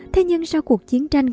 thế nhưng sau cuộc chiến tranh